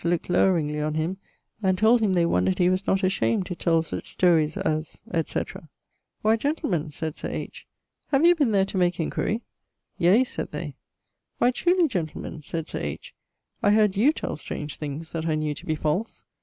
looked louringly on him, and told him they wonderd he was not ashamed to tell such storys as, &c., 'Why, gentlemen,' (sayd Sir H.) 'have you been there to make enquiry?' 'Yea,' sayd they. 'Why truly, gentlemen,' sayd Sir H. 'I heard you tell strange things that I knew to be false.